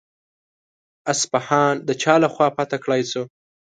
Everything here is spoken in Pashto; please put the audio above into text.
اصفهان د چا له خوا فتح کړای شو؟